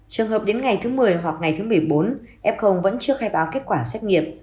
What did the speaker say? trường hợp đến ngày thứ một mươi hoặc ngày thứ một mươi bốn f vẫn chưa khai báo kết quả xét nghiệm